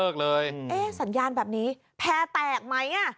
เนี่ยสัญญาณแบบนี้แพ็แตกไหม